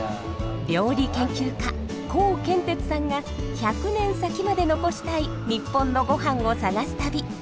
料理研究家コウケンテツさんが１００年先まで残したい日本のゴハンを探す旅。